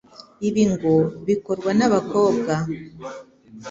Ibi ngo bikorwa n'abakobwa ,